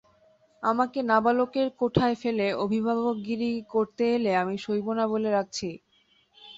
আমাকে নাবালকের কোঠায় ফেলে অভিভাবকগিরি করতে এলে আমি সইব না বলে রাখছি।